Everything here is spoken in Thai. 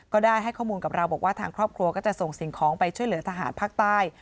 ได้ให้ข้อมูลกับเราบอกว่าทางครอบครัวก็จะส่งสิ่งของไปช่วยเหลือทหารภาคใต้